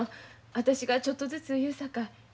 私がちょっとずつ言うさか。